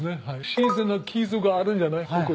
自然な傷があるんじゃない。